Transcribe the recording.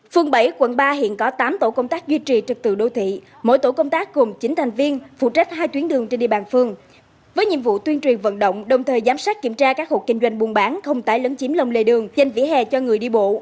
phương bảy quận ba hiện có tám tổ công tác duy trì trực tự đô thị mỗi tổ công tác gồm chín thành viên phụ trách hai tuyến đường trên địa bàn phường với nhiệm vụ tuyên truyền vận động đồng thời giám sát kiểm tra các hộ kinh doanh buôn bán không tái lấn chiếm lòng lề đường dành vỉa hè cho người đi bộ